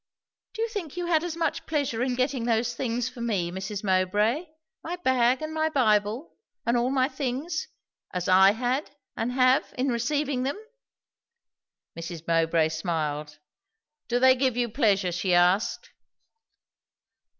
"Do you think you had as much pleasure in getting those things for me, Mrs. Mowbray, my bag and my Bible, and all my things, as I had, and have, in receiving them?" Mrs. Mowbray smiled. "Do they give you pleasure?" she asked.